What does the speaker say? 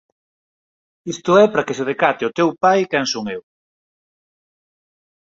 Isto é para que se decate o teu pai quen son eu.